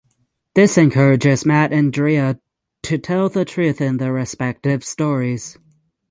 This encourages Matt and Drea to tell the truth in their respective stories.